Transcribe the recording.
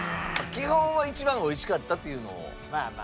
基本は一番美味しかったというのを。